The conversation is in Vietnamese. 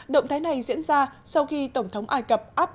động thái này diễn ra sau khi tổng thống ai cập abdel fattah al sisi